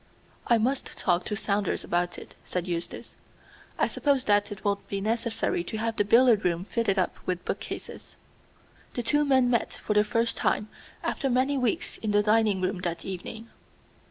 "I must talk to Saunders about it," said Eustace. "I suppose that it will be necessary to have the billiard room fitted up with book cases." The two men met for the first time after many weeks in the dining room that evening.